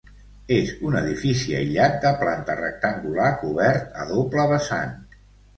És un edifici aïllat de planta rectangular cobert a doble vessant.